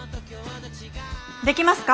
できますか？